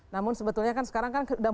namun sebetulnya kan sekarang kan